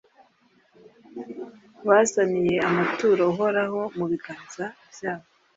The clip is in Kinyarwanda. bazaniye amaturo Uhoraho mu biganza byabo,